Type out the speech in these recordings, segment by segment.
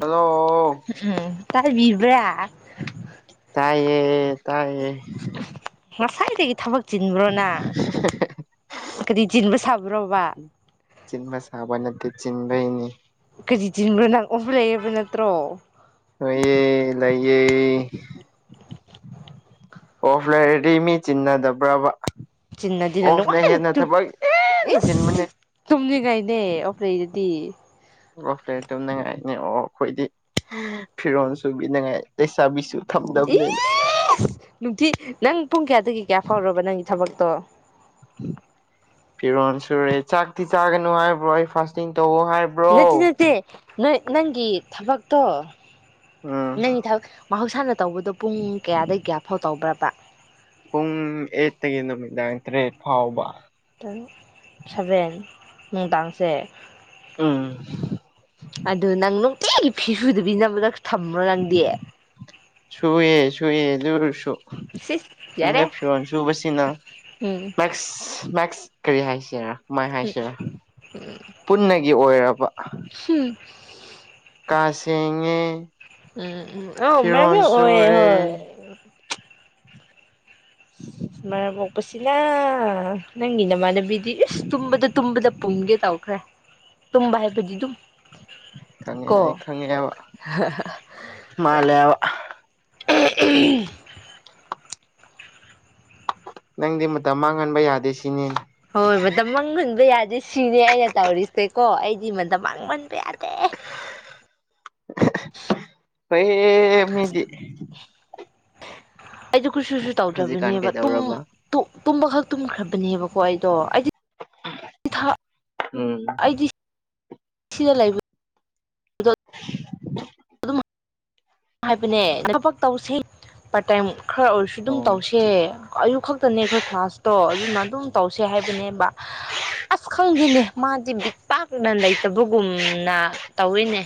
Hello ꯎꯝ ꯇꯥꯕꯤꯕ꯭ꯔꯥ ꯇꯥꯏꯌꯦ ꯇꯥꯏꯌꯦ ꯉꯁꯥꯏꯗꯒꯤ ꯊꯕꯛ ꯆꯤꯟꯕ꯭ꯔꯣꯅꯪ ꯀꯔꯤ ꯆꯤꯟꯕ ꯁꯥꯕ꯭ꯔꯣꯕ ꯆꯤꯟꯕ ꯁꯥꯕ ꯅꯠꯇꯦ ꯆꯤꯟꯕꯩꯅꯤ ꯀꯔꯤꯆꯤꯟꯕ꯭ꯔꯣ ꯅꯪ ꯑꯣꯐ ꯂꯩꯌꯦꯕ ꯅꯠꯇ꯭ꯔꯣ ꯂꯩꯌꯦ ꯂꯩꯌꯦ ꯑꯣꯐ ꯂꯩꯔꯗꯤ ꯃꯤ ꯆꯤꯟꯅꯗꯕ꯭ꯔꯕ ꯆꯤꯟꯅꯗꯤꯅ ꯑꯣꯐꯅ ꯅꯨꯡꯉꯥꯏꯅ ꯍꯦꯟꯅ ꯊꯕꯛ ꯍꯦꯟꯅ ꯆꯤꯟꯃꯤꯅꯦ ꯇꯨꯝꯅꯤꯉꯩꯅꯦ ꯑꯣꯄ ꯂꯩꯔꯗꯤ ꯐꯣꯞ ꯇꯧꯅꯉꯥꯏꯅꯦ ꯑꯣ ꯑꯩꯈꯣꯏꯗꯤ ꯐꯤꯔꯣꯟꯜ ꯁꯨꯕꯤꯅꯉꯥꯏ ꯂꯩꯁꯥꯕꯤꯁꯨ ꯏ ꯊꯝꯗꯕꯅꯤꯅ ꯅꯨꯡꯇꯤ ꯅꯪ ꯄꯨꯡ ꯀꯌꯥꯗꯒꯤ ꯀꯌꯥ ꯐꯥꯎꯔꯕ ꯅꯪꯒꯤ ꯊꯕꯛꯇꯣ ꯐꯤꯔꯣꯟ ꯁꯨꯔꯦ ꯆꯥꯛꯇꯤ ꯆꯥꯒꯅꯨ ꯍꯥꯏꯕ꯭ꯔꯣ ꯑꯩ ꯐꯥꯁꯇꯤꯡ ꯇꯧꯋꯣ ꯍꯥꯏꯕ꯭ꯔ ꯅꯠꯇꯦ ꯅꯠꯇꯦ ꯅꯣꯏ ꯅꯪꯒꯤ ꯊꯕꯛꯇꯣ ꯎꯝ ꯅꯪꯒꯤ ꯊꯕꯛ ꯃꯍꯧꯁꯥꯅ ꯇꯧꯕꯗꯣ ꯄꯨꯡ ꯀꯌꯥꯗꯒꯤ ꯀꯒꯌꯥꯐꯥꯎ ꯇꯧꯕ꯭ꯔꯕ ꯄꯨꯡ ꯑꯦꯠꯇꯒꯤꯅ ꯅꯨꯃꯤꯗꯥꯡ ꯇꯔꯦꯠ ꯐꯥꯎꯕ ꯁꯚꯦꯟ ꯅꯨꯡꯗꯥꯡꯁꯦ ꯎꯝ ꯑꯗꯨ ꯅꯪ ꯅꯨꯡꯇꯤꯒꯤ ꯐꯤꯁꯨꯗꯕꯤ ꯅꯝꯔ ꯊꯝꯕ꯭ꯔꯣ ꯅꯪꯗꯤ ꯁꯨꯌꯦ ꯁꯨꯌꯦ ꯁꯨꯔꯁꯨ ꯁꯤꯁ ꯍꯟꯅ ꯌꯥꯔꯦ ꯐꯤꯔꯣꯜ ꯁꯨꯕꯁꯤꯅ ꯎꯝ ꯃꯦꯛꯁ ꯃꯦꯛꯁ ꯀꯔꯤ ꯍꯥꯏꯁꯤꯔꯥ ꯀꯃꯥꯏ ꯍꯥꯏꯁꯤꯔꯥ ꯄꯨꯟꯅꯒꯤ ꯑꯣꯏꯔꯕ ꯍꯨꯝ ꯀꯥ ꯁꯦꯡꯉꯦ ꯎꯝ ꯎꯝ ꯐꯤꯔꯣꯜ ꯑꯣꯏ ꯁꯨꯔꯦ [unintelligible] ꯃꯔꯝ ꯃꯣꯛꯄꯁꯤꯅ ꯅꯪꯒꯤ ꯅꯃꯥꯟꯅꯕꯤ ꯕꯤꯗꯤ ꯏꯁ ꯇꯨꯝꯕꯗ ꯇꯨꯝꯕꯗ ꯄꯨꯝꯒꯦ ꯇꯧꯈ꯭ꯔꯦ ꯇꯨꯝꯕ ꯍꯥꯏꯕꯗꯤ ꯑꯗꯨꯝ ꯈꯪꯉꯦ ꯑꯩ ꯀꯣ ꯈꯪꯉꯦꯕ ꯃꯥꯂꯦꯕ [unintelligible] ꯅꯪꯗꯤ ꯃꯇꯝ ꯃꯥꯡꯍꯟꯕ ꯌꯥꯗꯦ ꯁꯤꯅꯤ ꯍꯣꯏ ꯃꯇꯝ ꯃꯥꯡꯍꯟꯕ ꯌꯥꯗꯦ ꯁꯤꯅꯦ ꯑꯩꯅ ꯇꯧꯔꯤꯁꯦ ꯀꯣ ꯑꯩꯗꯤ ꯃꯇꯝ ꯃꯥꯡꯍꯟꯕ ꯌꯥꯗꯦ ꯐꯩꯅꯦ ꯃꯤꯗꯤ ꯑꯩꯗ ꯨ ꯀꯨꯠꯁꯨꯁꯨ ꯍꯧꯖꯤꯛꯀꯥꯟ ꯇꯧꯗ꯭ꯔꯕꯅꯦꯕ ꯇꯨꯝ ꯀꯩꯗꯧꯔꯕ ꯇꯨꯝꯕꯈꯛ ꯇꯨꯝꯈ꯭ꯔꯕꯅꯦꯕꯀꯣ ꯑꯩꯗꯣ ꯑꯩꯗꯤ ꯎꯝ ꯑꯩꯗꯤ ꯁꯤꯗ ꯂꯩꯕ [unintelligible] ꯑꯗꯨꯝ ꯍꯥꯏꯕꯅꯦ ꯊꯕꯛ ꯇꯧꯁꯦ ꯄꯥꯔꯠ ꯇꯥꯏꯝ ꯈꯔ ꯑꯣꯏꯔꯁꯨ ꯑꯗꯨꯝ ꯑꯣ ꯑꯣ ꯇꯧꯁꯦ ꯑꯌꯨꯛ ꯈꯛꯇꯅꯦ ꯑꯩꯈꯣꯏ ꯀ꯭ꯂꯥꯁꯇꯣ ꯑꯗꯨꯅ ꯑꯗꯨꯝ ꯇꯧꯁꯦ ꯍꯥꯏꯕꯅꯦꯕ ꯑꯁ ꯈꯪꯗꯦꯅꯦ ꯃꯥꯗꯤ ꯕꯤꯠ ꯄꯥꯛꯅ ꯂꯩꯇꯕꯒꯨꯝꯅ ꯇꯧꯔꯤꯅꯦ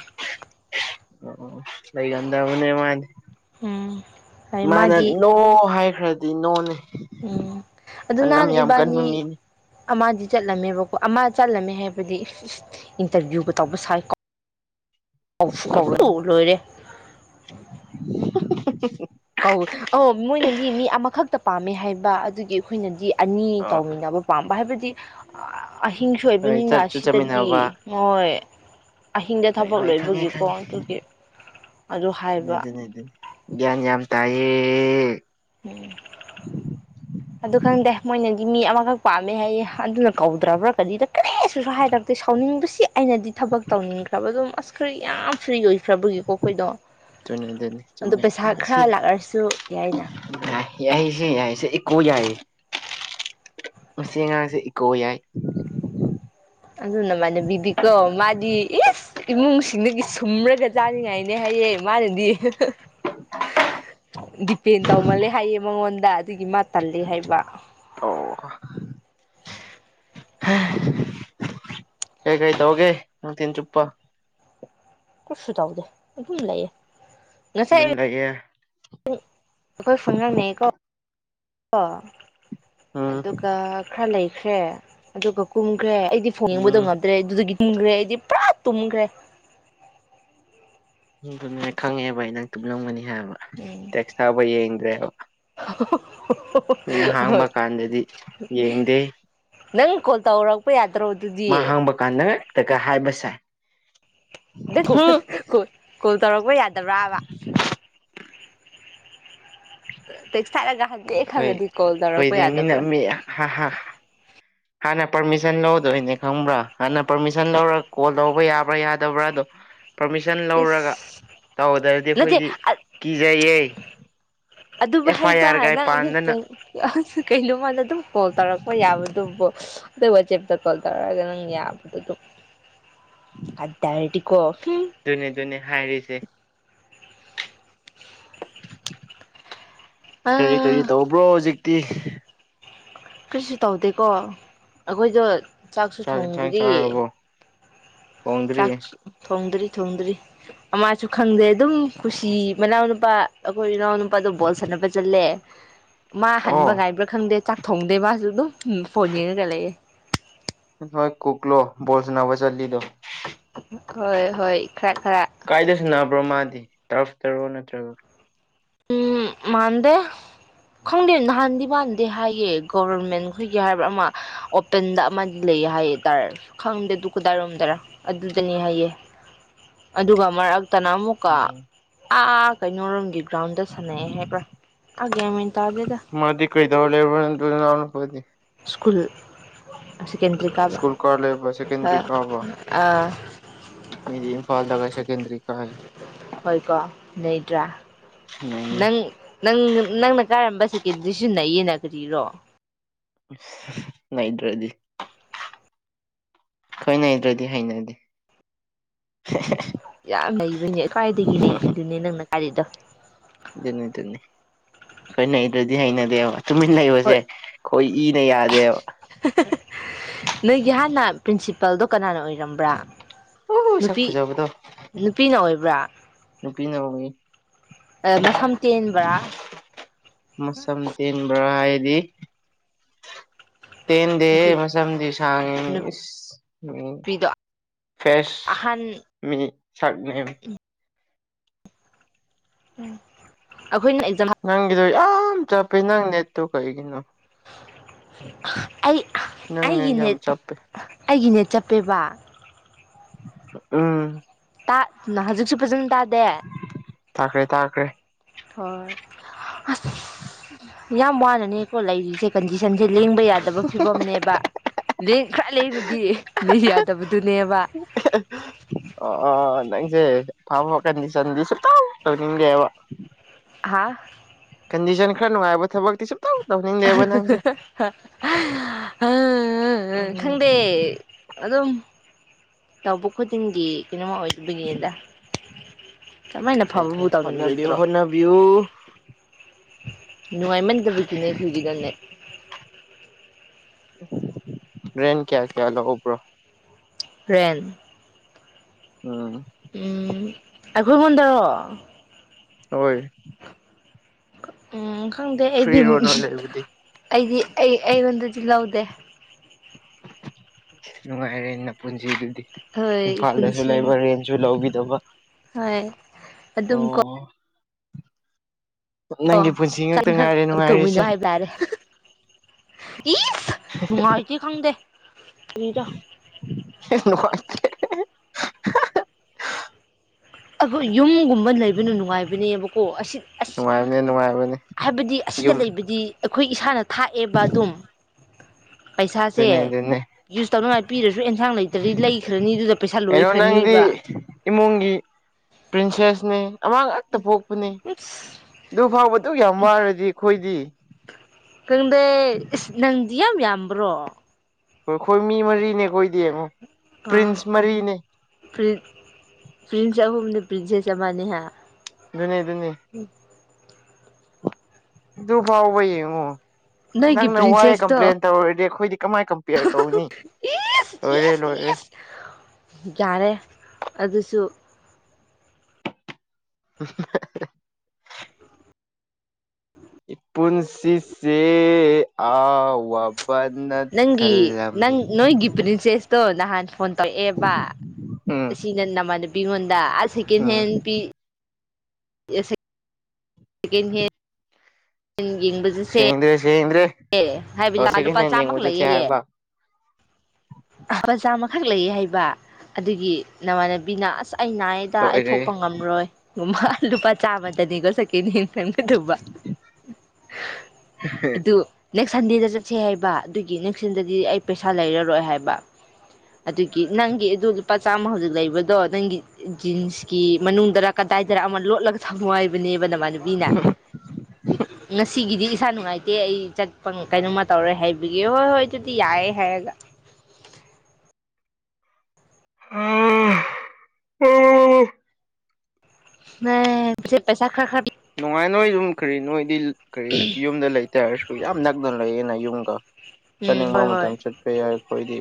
ꯑꯣ ꯂꯩꯒꯟꯗꯕꯅꯦ ꯃꯥꯗꯤ ꯎꯝ ꯍꯥꯏ ꯃꯥꯅ ꯃꯥꯗꯤ ꯅꯣ ꯍꯥꯏꯈ꯭ꯔꯗꯤ ꯅꯣꯅꯦ ꯎꯝ ꯑꯗꯨ ꯅꯝ ꯅꯍꯥꯟ ꯌꯥꯝ ꯀꯟꯕ ꯏꯕꯥꯅꯤ ꯃꯤꯅꯤ ꯑꯃ ꯆꯠꯂꯝꯃꯦꯕꯀꯣ ꯑꯃ ꯆꯠꯂꯝꯃꯦ ꯍꯥꯏꯕꯗꯤ ꯏꯟꯇꯔꯚꯤꯌꯨꯒ ꯇꯧꯕ ꯁꯥꯏꯀꯣ ꯀꯥꯎꯁꯨ ꯀꯥꯎꯔꯣꯏ ꯂꯣꯏꯔꯦ [unintelligible] ꯀꯧ ꯑꯣ ꯃꯣꯏꯅꯗꯤ ꯃꯤ ꯑꯃꯈꯛꯇ ꯄꯥꯝꯃꯦ ꯍꯥꯏꯕ ꯑꯗꯨꯒꯤ ꯑꯩꯈꯣꯏꯅꯗꯤ ꯑꯅꯤ ꯑꯣ ꯇꯧꯃꯤꯟꯅꯕ ꯄꯥꯝꯕ ꯍꯥꯏꯕꯗꯤ ꯑꯍꯤꯡꯁꯨ ꯍꯣꯏ ꯑꯣꯏꯕꯅꯤꯅ ꯆꯠꯁꯨ ꯁꯤꯗꯗꯤ ꯆꯠꯃꯤꯟꯅꯕ ꯍꯣꯏ ꯑꯍꯤꯡꯗ ꯍꯣꯏ ꯊꯕꯛ ꯍꯣꯏ ꯈꯪꯉꯦ ꯂꯣꯏꯕꯒꯤꯀꯣ ꯈꯪꯉꯦ ꯑꯗꯨꯒꯤ ꯑꯗꯨ ꯍꯥꯏꯕ ꯒꯌꯥꯟ ꯌꯥꯝ ꯇꯥꯏꯌꯦ ꯎꯝ ꯑꯗꯨ ꯈꯪꯗꯦ ꯃꯣꯏꯅꯗꯤ ꯃꯤ ꯑꯃꯈꯛ ꯄꯥꯝꯃꯦ ꯍꯥꯏꯌꯦ ꯑꯗꯨꯅ ꯀꯧꯗ꯭ꯔꯕ꯭ꯔꯥ ꯀꯔꯤꯗ ꯀꯔꯤꯁꯨ ꯍꯥꯏꯔꯛ ꯑꯗꯩ ꯁꯥꯎꯅꯤꯡꯕꯁꯤ ꯑꯩꯅꯗꯤ ꯊꯕꯛ ꯇꯧꯅꯤꯡꯈ꯭ꯔꯕ ꯑꯗꯨꯝ ꯑꯁ ꯈꯔ ꯌꯥꯝ ꯐ꯭ꯔꯤ ꯑꯣꯏꯈ꯭ꯔꯕꯒꯤꯀꯣ ꯑꯩꯈꯣꯏꯗꯣ ꯑꯗꯨꯅꯤ ꯑꯗꯨꯅꯤ ꯑꯗꯨ ꯆꯨꯝꯃꯦ ꯄꯩꯁꯥ ꯈꯔ ꯂꯥꯛꯂꯔꯁꯨ ꯌꯥꯏꯅ ꯑꯥ ꯌꯥꯏꯁꯦ ꯌꯥꯏꯁꯦ ꯏꯀꯣ ꯌꯥꯏ ꯃꯁꯤ ꯑꯉꯥꯡꯁꯦ ꯏꯀꯣ ꯌꯥꯏ ꯑꯗꯨ ꯅꯃꯥꯅꯕꯤꯗꯤ ꯀꯣ ꯃꯥꯗꯤ ꯏꯁ ꯏꯃꯨꯡꯁꯤꯡꯗꯒꯤ ꯁꯨꯝꯔꯒ ꯆꯥꯅꯤꯡꯉꯥꯏꯅꯦ ꯍꯥꯏꯌꯦ ꯃꯥꯅꯗꯤ ꯗꯤꯄꯦꯟ ꯇꯧꯃꯜꯂꯦ ꯍꯥꯏꯌꯦ ꯃꯉꯣꯟꯗ ꯑꯗꯨꯒꯤ ꯃꯥ ꯇꯜꯂꯦ ꯍꯥꯏꯕ ꯑꯣ [inaudible] ꯍꯥ ꯀꯩꯒꯩ ꯇꯧꯒꯦ ꯅꯨꯡꯇꯤꯟ ꯆꯨꯞꯄ ꯀꯨꯠꯁꯨ ꯇꯧꯗꯦ ꯑꯗꯨꯝ ꯂꯩꯌꯦ ꯉꯁꯥꯏ ꯑꯗꯨꯝ ꯂꯩꯥꯏꯑꯦ ꯑꯩꯈꯣꯏ ꯐꯪ ꯉꯟꯅꯩꯀꯣ ꯀꯣ ꯎꯝ ꯑꯗꯨꯒ ꯈꯔ ꯂꯩꯈ꯭ꯔꯦ ꯑꯗꯨꯒ ꯀꯨꯝꯈ꯭ꯔꯦ ꯑꯩꯗꯤ ꯐꯣꯡꯅꯤꯡꯕꯗꯣ ꯎꯝ ꯉꯝ ꯗ꯭ꯔꯦ ꯑꯗꯨꯗꯒꯤ ꯇꯨꯝꯈ꯭ꯔꯦ ꯑꯩꯗꯤ ꯄꯨꯔꯥ ꯇꯨꯝꯈ꯭ꯔꯦ ꯑꯗꯨꯅꯦ ꯈꯪꯉꯦꯕ ꯑꯩ ꯅꯪ ꯇꯨꯝꯂꯝꯒꯅꯤ ꯍꯥꯏꯕ ꯇꯦꯛꯁ ꯊꯥꯕ ꯌꯦꯡꯗ꯭ꯔꯦꯕ [unintelligible] ꯃꯤꯅ ꯍꯥꯡꯕ ꯍꯣꯏ ꯀꯥꯟꯗꯗꯤ ꯌꯦꯡꯗꯦ ꯅꯪ ꯀꯣꯜ ꯇꯧꯔꯛꯄ ꯌꯥꯗ꯭ꯔꯣ ꯃꯥ ꯑꯗꯨꯗꯤ ꯍꯥꯡꯕ ꯀꯥꯟꯗꯛꯇꯒ ꯍꯥꯏꯕꯁꯦ ꯑꯗ ꯀꯣꯜ ꯇꯧꯔꯛꯄ ꯌꯥꯗꯕ꯭ꯔꯥꯕ ꯁꯅꯒ ꯈꯪꯗꯦꯦ ꯈꯪꯉꯗꯤ ꯀꯣꯜ ꯇꯧꯔꯛꯄ ꯌꯥꯗꯕ꯭ꯔꯥ ꯍ ꯍ ꯍꯥꯟꯅ ꯄꯔꯃꯤꯁꯟ ꯂꯧꯗꯣꯏꯅꯦ ꯈꯪꯕ꯭ꯔꯥ ꯍꯥꯟꯅ ꯄꯔꯃꯤꯁꯟ ꯂꯧꯔꯒ ꯀꯣꯜ ꯂꯧꯕ ꯌꯥꯕ꯭ꯔꯥ ꯌꯥꯗꯕ꯭ꯔꯥ ꯑꯗꯣ ꯄꯔꯃꯤꯁꯟ ꯂꯧꯔꯒ ꯏꯁ ꯇꯧꯗ꯭ꯔꯗꯤ ꯅꯠꯇꯦ ꯑꯩꯈꯣꯏꯗꯤ ꯀꯤꯖꯩꯌꯦ ꯑꯗꯨꯕꯨ ꯑꯦꯐ ꯑꯥꯏ ꯍꯩꯕ ꯑꯥꯔꯒꯥꯏ ꯅꯪ ꯄꯥꯟꯗꯅ ꯑꯗꯨꯛꯇꯪ ꯑ ꯀꯩꯅꯣꯃꯗ ꯑꯗꯨꯝ ꯀꯣꯜ ꯇꯧꯔꯛꯄ ꯌꯥꯕꯗꯨꯕꯨ ꯑꯗꯨ ꯋꯆꯦꯞ ꯀꯣꯜ ꯇꯧꯔꯒ ꯅꯪ ꯌꯥꯕꯗꯨꯕꯨ ꯀꯣ ꯍꯨꯡ ꯑꯗꯨꯅꯦ ꯑꯗꯨꯅꯦ ꯍꯥꯏꯔꯤꯁꯦ ꯑ ꯀꯔꯤ ꯀꯔꯤ ꯇꯧꯕ꯭ꯔꯣ ꯍꯧꯖꯤꯛꯇꯤ ꯀꯔꯤꯁꯨ ꯇꯧꯗꯦꯀꯣ ꯑꯩꯈꯣꯏꯗꯣ ꯆꯥꯛꯁꯨ ꯆꯥꯛ ꯌꯦꯟꯁꯥꯡ ꯊꯣꯡꯗ꯭ꯔꯤ ꯆꯥꯔꯕꯣ ꯊꯣꯡꯗ꯭ꯔꯤ ꯆꯥꯛ ꯊꯣꯡꯗ꯭ꯔꯤ ꯊꯣꯡꯗ꯭ꯔꯤ ꯑꯃꯁꯁꯨ ꯈꯪꯗ꯭ꯔꯦ ꯑꯗꯨꯝ ꯀꯨꯁꯤ ꯃꯅꯥꯎꯅꯨꯄꯥ ꯑꯩꯈꯣꯏ ꯏꯅꯥꯎ ꯅꯨꯄꯥꯗꯣ ꯕꯣꯜ ꯁꯥꯟꯅꯕ ꯆꯠꯂꯦ ꯃꯥ ꯍꯟꯕ ꯑꯣ ꯉꯥꯏꯕ꯭ꯔꯥ ꯈꯪꯗꯦ ꯆꯥꯛ ꯊꯣꯡꯗꯦ ꯃꯥꯁꯨ ꯑꯗꯨꯝ ꯐꯣꯟ ꯌꯦꯡꯉꯒ ꯂꯩꯌꯦ ꯅꯨꯃ ꯀꯨꯛꯂꯣ ꯕꯣꯜ ꯁꯥꯟꯅꯕ ꯆꯥꯠꯂꯤꯗꯣ ꯍꯣꯏ ꯍꯣꯏ ꯈꯔ ꯈꯔ ꯀꯥꯏꯗ ꯁꯅꯕ꯭ꯔꯣ ꯃꯥꯗꯤ ꯇꯔꯐꯇꯔꯣ ꯅꯠꯇ꯭ꯔꯒ ꯎꯝ ꯃꯥꯟꯗꯦ ꯈꯪꯗꯦ ꯅꯍꯥꯟꯗꯤ ꯃꯥꯟꯗꯦ ꯍꯥꯏꯌꯦ ꯒꯣꯕꯔꯟꯃꯦꯟꯈꯣꯏ ꯌꯥꯔꯕ ꯑꯃ ꯑꯣꯄꯇꯟꯗ ꯑꯃꯗꯤ ꯂꯩ ꯍꯥꯏꯇꯥꯥꯔ ꯈꯪꯗꯗꯨ ꯈꯨꯗꯥꯏꯔꯣꯝꯗꯔ ꯑꯗꯨꯗꯅꯤ ꯍꯥꯏꯌꯦ ꯑꯗꯨꯒ ꯃꯔꯛ ꯇꯅ ꯑꯃꯨꯛꯀ ꯑꯥ ꯀꯩꯅꯣꯔꯝꯒꯤ ꯒ꯭ꯔꯥꯎꯟꯗ ꯁꯥꯟꯅꯩꯑꯦ ꯍꯥꯏꯕ꯭ꯔꯥ ꯑꯥ ꯒꯦꯝꯃꯦꯟ ꯇꯥꯗꯦꯗ ꯃꯥꯗꯤ ꯀꯩꯗꯧ ꯂꯩꯕꯔ ꯑꯗꯨ ꯂꯎꯅꯨꯄꯗꯤ ꯁ꯭ꯀꯨꯜ ꯁꯦꯀꯦꯟꯗꯔꯤ ꯁ꯭ꯀꯨꯜ ꯀꯥꯔꯂꯕ ꯁꯦꯀꯦꯟꯗꯔꯤ ꯀꯥꯕꯔ ꯑꯥ ꯑꯩꯈꯣꯢꯗꯤ ꯏꯝꯐꯥꯜꯗ ꯁꯦꯀꯦꯟꯗ꯭ꯔꯤ ꯀꯌꯦ ꯍꯣꯏꯀꯣ ꯑꯩꯒ ꯅꯪ ꯅꯪ ꯅꯪꯅ ꯀꯥꯏꯔꯝꯕ ꯁꯦꯀꯦꯟꯗꯤꯔꯁꯤ ꯅꯩꯌꯦꯅ ꯀ꯭ꯔꯤꯔꯣ ꯎꯁ ꯅꯩꯗ꯭ꯔꯗꯤ ꯈꯪꯅꯗ꯭ꯔꯗꯤ ꯍꯩꯅꯗꯦ ꯌꯥꯝ ꯅꯩꯕꯅꯦ ꯈ꯭ꯋꯥꯏꯗꯒꯤ ꯅꯩꯕꯗꯨꯅꯦ ꯅꯪꯅ ꯒꯥꯔꯤꯗꯣ ꯑꯗꯨꯅꯤ ꯑꯗꯨꯅꯤ ꯑꯩꯈꯣꯏ ꯅꯩꯗ꯭ꯔꯗꯤ ꯍꯩꯅꯗꯦꯕ ꯇꯨꯃꯤꯟ ꯂꯩꯕꯁꯦ ꯍꯣꯏ ꯑꯩꯈꯣꯏ ꯏꯅ ꯌꯥꯗꯦꯕ ꯅꯣꯏꯒꯤ ꯍꯥꯟꯅ ꯄ꯭ꯔꯤꯟꯁꯤꯄꯥꯜꯗꯣ ꯀꯅꯥꯅ ꯑꯣꯏꯔꯝꯕ꯭ꯔꯥ ꯑꯣ ꯁꯥꯛ ꯅꯨꯄꯤ ꯐꯨꯖꯕꯨꯗꯣ ꯅꯨꯄꯤꯅ ꯑꯣꯏꯕ꯭ꯔꯥ ꯅꯨꯄꯤ ꯅ ꯍꯣꯡꯉꯤ ꯃꯁꯝ ꯇꯦꯟꯕ꯭ꯔꯥ ꯃꯁꯝ ꯇꯦꯟꯕ꯭ꯔꯥ ꯍꯥꯏꯗꯤ ꯇꯦꯟꯗꯦ ꯑꯗꯨ ꯃꯁꯝꯗꯤ ꯁꯥꯡꯉꯦꯅꯤ ꯏꯁ ꯅꯨꯄꯤꯗꯣ ꯐꯦꯁ ꯑꯍꯥꯟ ꯃꯤ ꯆꯥꯛꯅꯦꯝ ꯑꯩꯈꯣꯏꯅ ꯑꯦꯛꯖꯥ ꯅꯪꯒꯤꯗꯣ ꯌꯥꯝ ꯆꯞꯄꯩ ꯅꯪ ꯅꯦꯠꯇꯣ ꯀꯩꯒꯤꯅꯣ ꯑꯩ ꯅꯪ ꯑꯩꯒꯤ ꯌꯥꯝ ꯅꯦꯠ ꯆꯞꯄꯦ ꯑꯩꯒꯤ ꯅꯦꯠ ꯆꯠꯄꯦꯕ ꯎꯝ ꯇ ꯍꯧꯖꯤꯛꯁꯨ ꯐꯖꯅ ꯇꯥꯗꯦ ꯇꯥꯈ꯭.. ꯔꯦ ꯇꯥꯈ꯭ꯔꯦ ꯍꯣꯏ ꯑꯁ ꯌꯥꯝ ꯋꯥꯅꯅꯦꯀꯣ ꯂꯩꯔꯤꯁꯦ ꯀ. ꯟꯗꯤꯁꯟꯁꯦ ꯂꯦꯡꯕ ꯌꯥꯗꯕ ꯐꯤꯕꯝꯅꯦꯕ ꯂꯦꯡ ꯈꯔ ꯂꯩꯔꯨꯗꯤ ꯂꯦꯡ ꯌꯥꯗꯕꯗꯨꯅꯦꯕ [inaudible] ꯑꯣ ꯑ ꯅꯪꯁꯦ ꯐꯥꯎ ꯐ ꯀꯟꯗꯤꯁꯟꯗꯤ ꯁꯨꯡꯇꯧ ꯇꯧꯅꯤꯡꯗꯦꯕ ꯍꯥꯥ ꯀꯟꯗꯤꯁꯟ ꯈꯔ ꯅꯨꯡꯉꯥꯏꯕ ꯊꯕꯛꯇꯤ ꯁꯨꯡꯇꯧ ꯎꯝ ꯈꯪꯗꯦ [inaudible] ꯑꯗꯨꯝ ꯇꯕꯣꯛ ꯈꯗꯤꯟꯒꯤ ꯀꯩꯅꯣꯃ ꯑꯣꯏꯕꯉꯤꯗ ꯀꯃꯥꯏꯅ ꯐꯕꯕꯨ ꯇꯧꯅꯤꯡꯔꯣꯏꯗ꯭ꯔꯣ ꯅꯕꯌꯨ ꯅꯨꯡꯉꯥꯏꯃꯟꯗꯕꯒꯤꯅꯦ ꯑꯩꯈꯣꯏꯒꯤꯒꯅꯦ ꯔꯦꯟ ꯀꯌꯥ ꯀꯌꯥ ꯂꯧꯕ꯭ꯔꯣ ꯇ꯭ꯔꯦꯟ ꯎꯝ ꯎꯝ ꯑꯩꯈꯣꯏ ꯉꯣꯟꯗꯔꯣ ꯍꯣꯏ ꯎꯝ ꯈꯪꯗꯦ ꯑꯩꯗꯤ ꯐ꯭ꯔꯤꯔꯣ ꯅꯣꯏ ꯂꯩꯕꯨꯗꯤ ꯑꯩꯗꯤ ꯑꯩ ꯑꯩꯉꯣꯟꯗꯗꯤ ꯂꯧꯗꯦ ꯅꯨꯡꯉꯥꯏꯔꯦꯅ ꯄꯨꯟꯁꯤꯗꯨꯗꯤ ꯍꯣꯏ ꯏꯝꯐꯥꯜꯗꯁꯨ ꯂꯩꯕ ꯄꯨꯟꯁꯤ ꯔꯦꯟꯁꯨ ꯂꯧꯕꯤꯗꯧꯕ ꯍꯣꯏ ꯑꯗꯨꯝꯀꯣ ꯑꯣ ꯅꯪꯒꯤ ꯄꯨꯟꯁꯤ ꯉꯛꯇ ꯆꯠꯈꯛ ꯉꯥꯏꯔꯦ ꯊꯨꯃꯤꯗꯣ ꯅꯨꯡꯉꯥꯏꯔꯤꯁꯦ ꯍꯥꯏꯕ ꯇꯔꯦ ꯏꯁ ꯅꯨꯡꯉꯥꯏꯇꯦ ꯈꯪꯗꯦ ꯇꯗ [unintelligible] ꯑꯩꯈꯣꯏ ꯌꯨꯝꯒꯨꯝꯕ ꯂꯩꯕꯅ ꯅꯨꯡꯉꯥꯏꯕꯅꯦꯕꯀꯣ ꯑꯁꯤ ꯑꯁ ꯅꯨꯡꯉꯥꯏꯕꯅꯦ ꯅꯨꯡꯉꯥꯏꯕꯅꯦ ꯍꯥꯏꯕꯗꯤ ꯑꯁꯤꯗ ꯌꯨꯝ ꯂꯩꯕꯗꯤ ꯑꯩꯈꯣꯏ ꯏꯁꯥꯅ ꯊꯥꯛꯑꯦꯕ ꯑꯗꯨꯝ ꯄꯩꯁꯥꯁꯦ ꯑꯗꯨꯅꯦ ꯑꯗꯨꯅꯦ ꯌꯨꯁ ꯇꯧꯅꯉꯥꯏ ꯄꯄꯤꯔꯁꯨ ꯑꯦꯟꯁꯥꯡ ꯂꯩꯇ꯭ꯔꯗꯤ ꯂꯩꯈ꯭ꯔꯅꯤ ꯑꯗꯨꯗ ꯄꯩꯁꯥ ꯀꯩꯅꯣ ꯅꯪꯗꯤ ꯂꯣꯏꯈ꯭ꯔꯅꯤꯕ ꯏꯃꯨꯡꯒꯤ ꯄ꯭ꯔꯤꯟꯁꯦꯁꯅꯤ ꯑꯃ ꯉꯛꯇ ꯄꯣꯛꯄꯅꯦ ꯎꯁ ꯑꯗꯨ ꯐꯥꯎꯕꯗꯨ ꯌꯥꯝ ꯋꯥꯔꯗꯤ ꯑꯩꯈꯣꯏꯗꯤ ꯈꯪꯗꯦ ꯏꯁ ꯅꯪꯗꯤ ꯌꯥꯝ ꯌꯥꯝꯕ꯭ꯔꯣ ꯍꯣꯏ ꯑꯩꯈꯣꯏ ꯃꯤ ꯃꯔꯤꯅꯦ ꯀꯣꯏꯗꯤ ꯌꯦꯡꯉꯣ ꯑꯥ ꯄ꯭ꯔꯤꯟꯁ ꯃꯔꯤꯅꯦ ꯄ꯭ꯔꯤ ꯄ꯭ꯔꯤꯟꯁ ꯍꯨꯝꯅ ꯄ꯭ꯔꯤꯟꯁꯦꯁ ꯃꯅꯤ ꯍꯥꯏ ꯗꯨꯅꯤ ꯗꯨꯅꯤ [unintelligible] ꯑꯗꯨ ꯐꯥꯎꯕ ꯌꯦꯡꯉꯣ ꯅꯣꯏꯒꯤ ꯅꯪꯅ ꯋꯥꯏꯑꯦ ꯄ꯭ꯔꯤꯟꯁꯦꯁꯇꯣ ꯀꯝꯄ꯭ꯂꯦꯟ ꯇꯧꯔꯗꯤ ꯑꯩꯈꯣꯏꯗꯤ ꯀꯃꯥꯏ ꯀꯝꯄꯌꯔ ꯇꯧꯅꯤ ꯏꯁ ꯂꯣꯏꯔꯦ ꯏꯁ ꯂꯣꯏꯔꯦ ꯏꯁ ꯌꯥꯔꯦ ꯑꯗꯨꯁꯨ [unintelligible] ꯏ ꯄꯨꯨꯟꯁꯤꯁꯦ ꯑꯋꯥ ꯅꯪꯒꯤ ꯅꯪ ꯅꯣꯏꯒꯤ ꯄꯔꯤꯟꯁꯦꯁ ꯇꯣ ꯅꯍꯥꯟ ꯐꯣꯟ ꯇꯧꯔꯛꯑꯦꯕ ꯎꯝ ꯑꯁꯤꯅ ꯅꯃꯅꯄꯤꯉꯣꯟꯗ ꯑꯁ ꯁꯦꯀꯦꯟ ꯎꯝ ꯍꯦꯟ ꯄꯤ ꯁꯦꯀꯦꯟ ꯍꯦꯟ ꯌꯦꯡꯕꯁꯨ ꯁꯦꯡꯗ꯭ꯔꯦ ꯁꯦꯡꯗ꯭ꯔꯦ ꯑꯣ ꯁꯦꯀꯦꯟ ꯍꯦꯟ ꯌꯦꯡꯕ ꯆꯠꯁꯦ [unintelligible] ꯍꯥꯏꯕ ꯑꯣꯖꯥ ꯑꯃꯈꯛ ꯂꯩꯌꯦ ꯍꯥꯏꯕ ꯑꯗꯨꯒꯤ ꯅꯃꯥꯟꯅꯕꯤꯅ ꯑꯁ ꯑꯩ ꯅꯥꯏꯗ ꯂꯣꯏꯔꯦ ꯑꯩꯊꯣꯛꯄ ꯉꯝ ꯃ꯭ꯔꯣꯏ ꯑꯜ ꯂꯨꯄꯥ ꯆꯥꯃꯗꯅꯤꯀꯣ ꯁꯀꯦꯟ ꯌꯦꯟ ꯁꯒꯗꯧꯕ ꯑꯗꯨ ꯅꯦꯛꯁ ꯁꯟꯗꯦꯗ ꯆꯠꯁꯦ ꯍꯥꯏꯕ ꯑꯗꯨꯒꯤ ꯅꯦꯛꯁꯟꯗꯗꯤ ꯑꯩ ꯄꯩꯁꯥ ꯂꯩꯔꯔꯣꯏ ꯍꯥꯏꯕ ꯑꯗꯨꯒꯤ ꯅꯪꯒꯤ ꯑꯗꯨ ꯂꯨꯄꯥ ꯆꯥꯝꯃ ꯍꯧꯖꯤꯛ ꯂꯩꯕꯗꯣ ꯅꯪꯒꯤ ꯖꯤꯟꯁꯀꯤ ꯃꯅꯨꯡꯗ ꯀꯗꯥꯏꯗꯔ ꯑꯃ ꯂꯣꯠꯂꯒ ꯊꯝꯃꯣ ꯍꯥꯏꯕꯅꯦꯕ ꯅꯃꯥꯏꯅ ꯕꯤꯅꯥ ꯉꯁꯤꯒꯤꯗꯤ ꯏꯁꯥ ꯅꯨꯡꯉꯥꯏꯇꯦ ꯑꯩ ꯆꯠꯄ ꯀꯩꯅꯣꯃ ꯇꯧꯔꯦ ꯍꯥꯏꯕꯒꯤ ꯍꯣꯏ ꯍꯣꯏ ꯑꯗꯨꯗꯤ ꯌꯥꯔꯦ ꯍꯥꯏꯔꯒ ꯑ ꯑꯣ ꯅ ꯁꯤ ꯄꯦꯁꯥ ꯈꯔ ꯈꯥ ꯅꯨꯡꯉꯥꯏ ꯅꯣꯏ ꯑꯗꯨꯝ ꯀꯔꯤ ꯅꯣꯏꯗꯤ ꯀꯔꯤ ꯌꯨꯝꯗ ꯂꯩꯇꯦ ꯍꯥꯏꯔꯁꯨ ꯌꯥꯝ ꯅꯛꯅ ꯂꯩꯌꯦꯅ ꯌꯨꯝꯒ ꯎꯝ ꯆꯠꯅꯤꯡꯕ ꯍꯣꯏ ꯍꯣꯏ ꯑꯃꯇꯪ ꯆꯠꯄ ꯌꯥꯏ ꯑꯩꯈꯣꯏꯗꯤ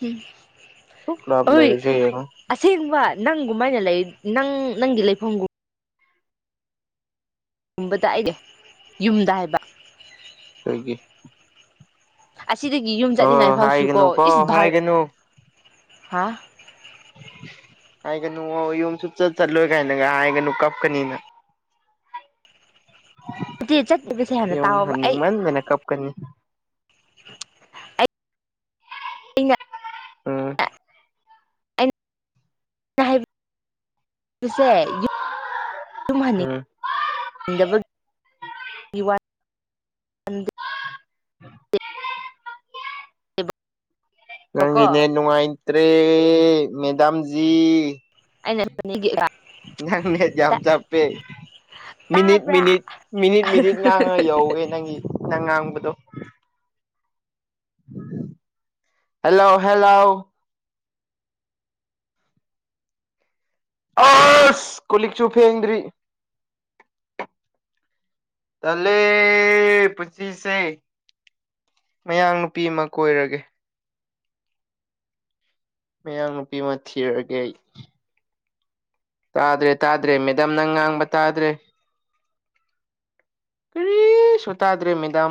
ꯎꯝ ꯁꯨꯛ ꯂꯕ ꯍꯣꯏ ꯂꯩꯔꯁꯦ ꯌꯦꯡꯑꯣ ꯑꯁꯦꯡꯕ ꯅꯪꯒꯨꯝꯃꯥꯏꯅ ꯂꯩ ꯅꯪ ꯅꯪꯒꯤ ꯂꯩꯐꯝꯒꯨꯝ ꯇꯨꯝꯕꯗ ꯑꯩꯅꯦ ꯌꯨꯝꯗ ꯍꯥꯏꯕ ꯀꯩꯒꯤ ꯑꯁꯤꯗꯒꯤ ꯌꯨꯝ ꯆꯠꯅꯤꯡꯉꯥꯏ ꯑꯣ ꯐꯥꯎꯁꯨ ꯀꯣ ꯍꯥꯏꯒꯅꯨꯀꯣ ꯏꯁ ꯍꯥꯏꯒꯅꯨ ꯚꯥꯔ ꯍꯥ ꯍꯥꯏꯒꯅꯨ ꯌꯨꯝ ꯁꯨꯡꯆꯠ ꯆꯠꯂꯣꯏ ꯀꯥꯏꯅ ꯍꯥꯏꯒꯅ ꯀꯞꯀꯅꯤꯅ ꯆꯠꯇꯕꯁꯦ ꯍꯥꯟꯅ ꯌꯨꯝ ꯇꯥꯎꯕ ꯑꯩ [unintelligible] [unintelligible] [unintelligible] ꯑꯩꯅ ꯎꯝ ꯑꯩꯅ ꯎꯝ [unintelligible] ꯋꯥ ꯅꯠꯇꯦꯕꯀꯣ ꯅꯪꯒꯤ ꯅꯦꯠ ꯅꯨꯡꯉꯥꯏꯇ꯭ꯔꯦ ꯃꯦꯗꯥꯝꯖꯤ [unintelligible] ꯅꯪ ꯅꯦꯠ ꯌꯥꯝ ꯆꯞꯄꯦ ꯃꯤꯅꯤꯠ ꯇꯥꯕ꯭ꯔꯥ ꯃꯤꯅꯤꯠ ꯃꯤꯅꯤꯠ ꯃꯤꯅꯤꯠ ꯉꯥꯡꯉ ꯌꯧꯋꯦ ꯅꯪꯒꯤ ꯅꯪ ꯉꯥꯡꯕꯗꯣ ꯍꯜꯂꯣ ꯍꯦꯜꯂꯣ ꯑꯁ ꯀꯣꯂꯤꯛꯁꯨ ꯐꯦꯡꯗ꯭ꯔꯤ ꯇꯂꯦ ꯄꯨꯁꯤꯁꯦ ꯃꯌꯥꯡ ꯅꯨꯄꯤ ꯑꯃ ꯀꯣꯏꯔꯒꯦ ꯃꯌꯥꯡ ꯅꯨꯄꯤ ꯑꯃ ꯊꯤꯔꯒꯦ ꯑꯩ ꯇꯥꯗ꯭ꯔꯦ ꯇꯥꯗ꯭ꯔꯦ ꯃꯦꯗꯝ ꯅꯪ ꯉꯥꯡꯕ ꯇꯥꯗ꯭ꯔꯦ ꯀꯔꯤ ꯁꯨ ꯇꯥꯗ꯭ꯔꯦ ꯃꯦꯗꯥꯝ